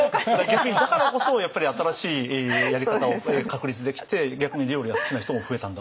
逆にだからこそやっぱり新しいやり方を確立できて逆に料理が好きな人も増えたんだろうなと思いますよね。